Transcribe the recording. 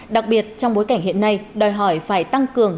đặc biệt trong bối cảnh hiện nay đòi hỏi phải tăng cường